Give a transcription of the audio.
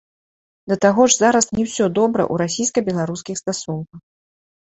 Да таго ж зараз не ўсё добра ў расійска-беларускіх стасунках.